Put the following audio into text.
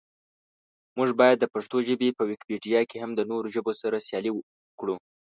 مونږ باید پښتو ژبه په ویکیپېډیا کې هم د نورو ژبو سره سیاله کړو.